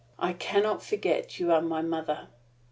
I can not forget you are my mother.